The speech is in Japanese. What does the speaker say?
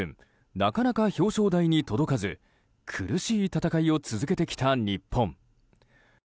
なかなか表彰台に届かず苦しい戦いを続けてきた日本。